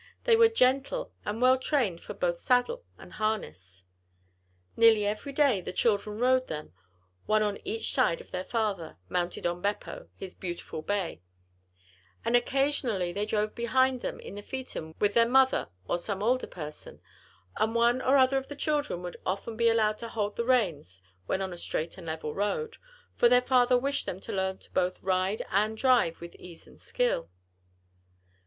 They were gentle and well trained for both saddle and harness. Nearly every day the children rode them, one on each side of their father, mounted on Beppo, his beautiful bay; and occasionally they drove behind them in the phaeton with their mother or some older person; and one or the other of the children would often be allowed to hold the reins when on a straight and level road; for their father wished them to learn to both ride and drive with ease and skill.